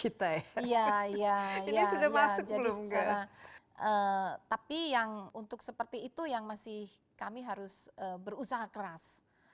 iya tapi untuk seperti itu yang masih kami harus berusaha keras